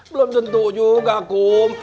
belum tentu juga kum